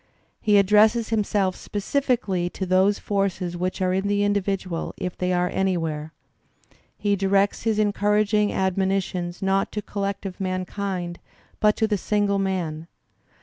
He addresses himself specifically to those forces which are in the individual if they are anywhere. He directs his encouraging admonitions not to collective mankind but to the single man.